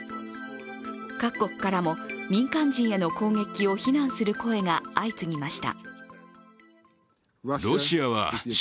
各国からも民間人への攻撃を非難する声が相次ぎました。